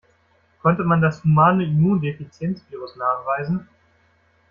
Konnte man das Humane Immundefizienz-Virus nachweisen?